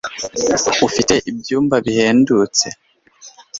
ufite ibyumba bihendutse